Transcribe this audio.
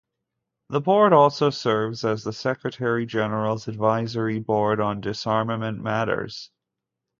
The Board also serves as the Secretary-General's Advisory Board on Disarmament Matters.